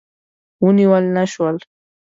ونیول نه شول.